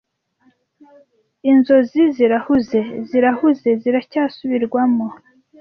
Inzozi zirahuze, zirahuze, ziracyasubirwamo.